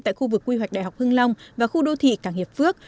tại khu vực quy hoạch đại học hưng long và khu đô thị cảng hiệp phước